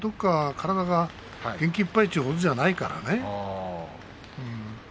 体が元気いっぱいということじゃないからね。